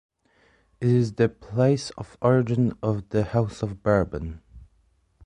It is the place of origin of the House of Bourbon.